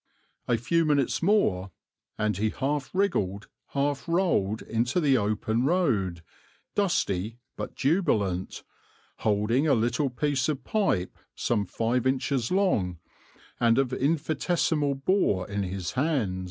A few minutes more and he half wriggled half rolled into the open road, dusty, but jubilant, holding a little piece of pipe some five inches long and of infinitesimal bore in his hand.